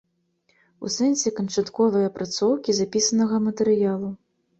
У сэнсе канчатковай апрацоўкі запісанага матэрыялу.